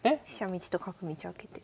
道と角道開けて。